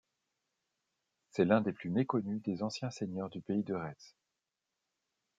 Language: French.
C'est l'un des plus méconnus des anciens seigneurs du pays de Retz.